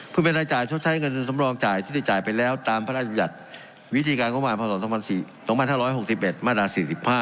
เพื่อเป็นรายจ่ายชดใช้เงินสำรองจ่ายที่ได้จ่ายไปแล้วตามพระราชบัญญัติวิธีการงบประมาณพศ๒๕๖๑มาตรา๔๕